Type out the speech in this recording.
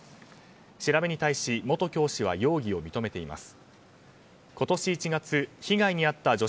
調べに対し、元教師は容疑を認めています。